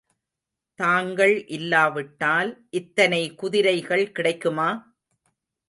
தாங்கள் இல்லாவிட்டால் இத்தனை குதிரைகள் கிடைக்குமா?